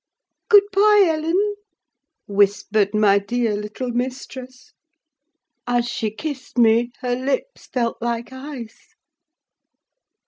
"Good bye, Ellen!" whispered my dear little mistress. As she kissed me, her lips felt like ice.